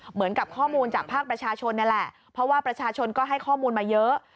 เหมือนกับข้อมูลจากภาคประชาชนนี่แหละเพราะว่าประชาชนก็ให้ข้อมูลมาเยอะ